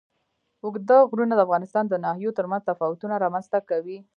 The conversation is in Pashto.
اوږده غرونه د افغانستان د ناحیو ترمنځ تفاوتونه رامنځ ته کوي.